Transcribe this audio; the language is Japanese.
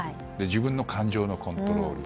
自分の感情のコントロール。